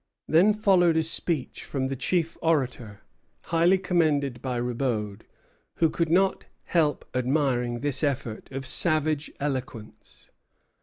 Then followed a speech from the chief orator, highly commended by Roubaud, who could not help admiring this effort of savage eloquence.